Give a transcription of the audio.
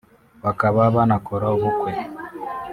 bakaba banakora ubukwe